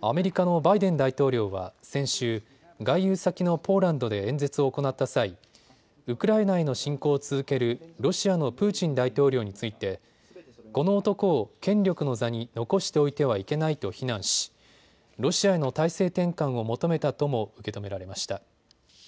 アメリカのバイデン大統領は先週、外遊先のポーランドで演説を行った際、ウクライナへの侵攻を続けるロシアのプーチン大統領についてこの男を権力の座に残しておいてはいけないと非難しロシアの体制転換を求めたとも受け止められました。